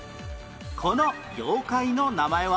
この妖怪の名前は？